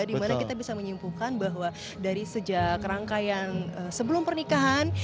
dimana kita bisa menyimpulkan bahwa dari sejak rangkaian sebelum pernikahan